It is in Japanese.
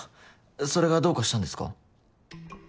それがどうかしたんですか？